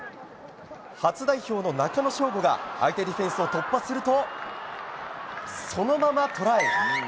初代表の中野将伍が相手ディフェンスを突破するとそのままトライ。